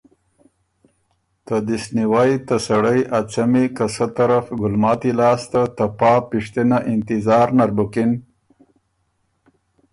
ته دِست نیوئ ته سړئ ا څمی که سۀ طرف ګُلماتی لاسته ته پا پِشتنه انتظار نر بُکِن